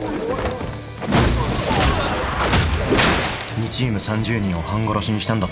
２チーム３０人を半殺しにしたんだってよ。